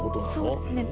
そうですね。